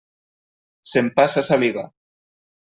S'empassa saliva.